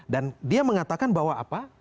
dan dia mengatakan bahwa apa